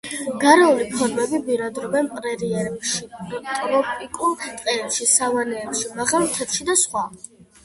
გარეული ფორმები ბინადრობენ პრერიებში, ტროპიკულ ტყეებში, სავანებში, მაღალ მთებში და სხვა.